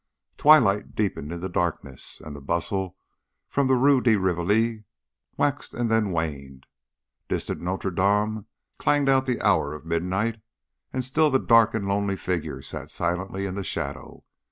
Twilight deepened into darkness, the bustle from the Rue de Rivoli waxed and then waned, distant Notre Dame clanged out the hour of midnight, and still the dark and lonely figure sat silently in the shadow.